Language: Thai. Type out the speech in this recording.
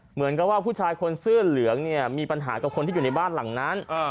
เหมือนกับว่าผู้ชายคนเสื้อเหลืองเนี่ยมีปัญหากับคนที่อยู่ในบ้านหลังนั้น